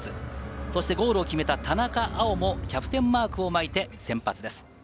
そしてゴールを決めた田中碧もキャプテンマークを巻いて先発です。